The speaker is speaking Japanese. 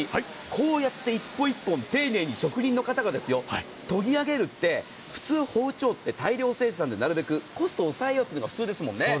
こうやって１本１本丁寧に職人の方が研ぎ上げるって普通、包丁って大量生産でなるべくコストを抑えようというのが普通ですもんね。